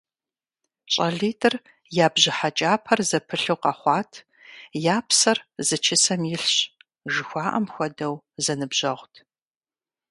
ЩӀалитӀыр я бжьыхьэкӀапэр зэпылъу къэхъуат, «я псэр зы чысэм илъщ» жыхуаӀэм хуэдэу зэныбжьэгъут.